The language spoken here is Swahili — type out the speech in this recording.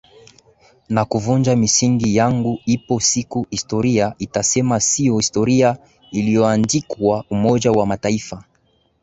na kuvunja misingi yangu Ipo siku historia itasema sio historia iliyoandikwa Umoja wa Mataifa